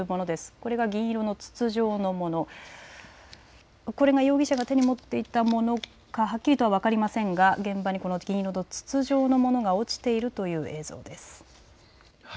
これが銀色の筒状のもの、これが容疑者が手に持っていたものかはっきりとは分かりませんが現場にこの銀色の筒状のものが落ちているという映像です。